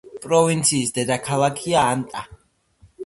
პროვინციის დედაქალაქია ანტა.